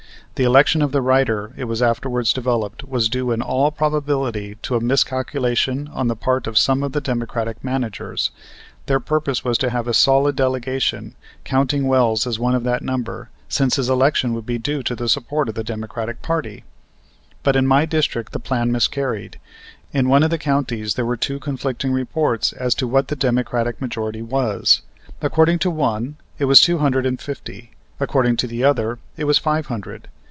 The election of the writer, it was afterwards developed, was due in all probability to a miscalculation on the part of some of the Democratic managers. Their purpose was to have a solid delegation, counting Wells as one of that number, since his election would be due to the support of the Democratic party. But in my district the plan miscarried. In one of the counties there were two conflicting reports as to what the Democratic majority was; according to one, it was two hundred and fifty, according to the other, it was five hundred.